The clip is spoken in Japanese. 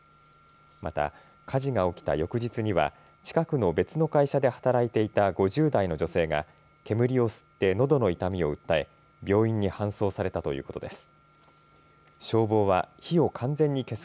また火事が起きた翌日には近くの別の会社で働いていた５０代の女性が煙を吸ってのどの痛みを訴え病院に搬送されたということです。